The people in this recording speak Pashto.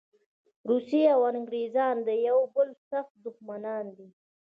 روسیه او انګریزان د یوه بل سخت دښمنان دي.